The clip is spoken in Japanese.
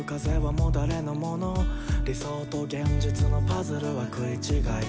「理想と現実のパズルは食い違い」